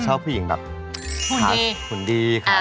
กับผู้หญิงขาสวยอาตราย